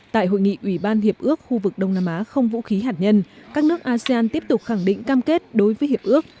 tại hội nghị ủy ban hiệp ước khu vực đông nam á không vũ khí hạt nhân các nước asean tiếp tục khẳng định cam kết đối với hiệp ước